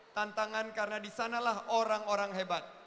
tantangan karena disanalah orang orang hebat